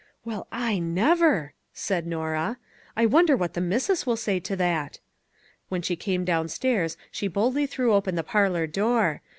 " Well, I never! " said Norah. " I wonder what the missus will say to that." When she came downstairs she boldly threw open the par lor door.